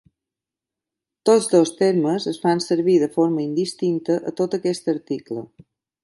Tots dos termes es fan servir de forma indistinta a tot aquest article.